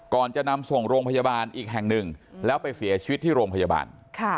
ก่อนจะนำส่งโรงพยาบาลอีกแห่งหนึ่งแล้วไปเสียชีวิตที่โรงพยาบาล